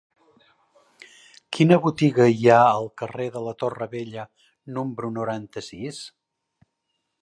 Quina botiga hi ha al carrer de la Torre Vella número noranta-sis?